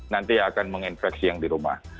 nanti akan menginfeksi yang di rumah